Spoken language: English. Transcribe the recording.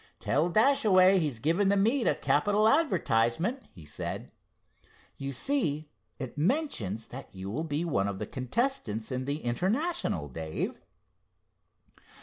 'Tell Dashaway he's given the meet a capital advertisement,' he said. You see, it mentions that you will be one of the contestants in the International, Dave."